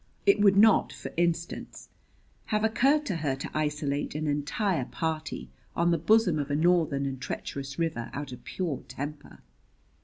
It would not, for instance, have occurred to her to isolate an entire party on the bosom of a northern and treacherous river out of pure temper."